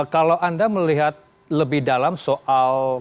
kalau anda melihat lebih dalam soal